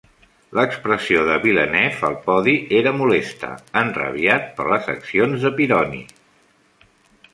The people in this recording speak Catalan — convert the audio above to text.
L'expressió de Villeneuve al podi era molesta, enrabiat per les accions de Pironi.